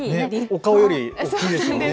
お顔より大きいですね。